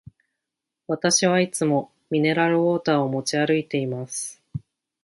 私はいつもミネラルウォーターを持ち歩いています。